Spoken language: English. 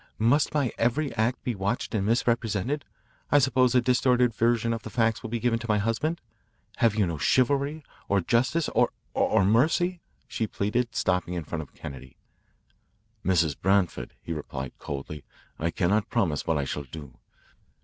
"Must my every act be watched and misrepresented? I suppose a distorted version of the facts will be given to my husband. Have you no chivalry, or justice, or or mercy?" she pleaded, stopping in front of Kennedy. "Mrs. Branford," he replied coldly, "I cannot promise what I shall do.